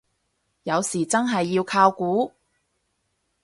有時真係要靠估